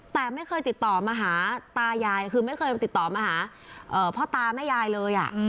แต่ไม่เคยติดต่อมาหาตายายคือไม่เคยติดต่อมาหาพ่อตาแม่ยายเลย